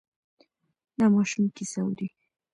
دا ماشوم کیسه اوري.